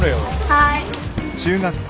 はい。